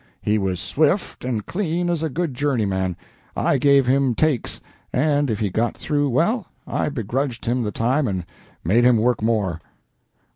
He was swift and clean as a good journeyman. I gave him 'takes,' and, if he got through well, I begrudged him the time and made him work more."